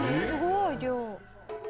すごい量。